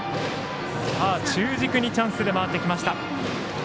中軸にチャンスが回ってきました。